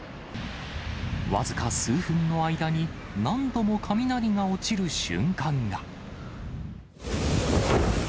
わずか数分の間に、何度も雷が落ちる瞬間が。